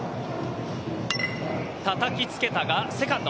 たたきつけたが、セカンド。